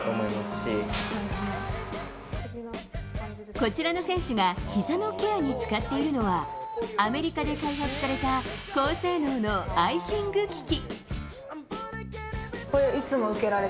こちらの選手がひざのケアに使っているのはアメリカで開発された高性能のアイシング機器。